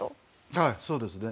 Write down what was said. はいそうですね。